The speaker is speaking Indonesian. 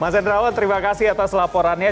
mas hendrawan terima kasih atas laporannya